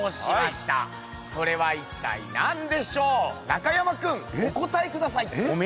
中山君お答えください。